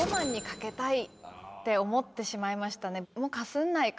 って思ってしまいましたね。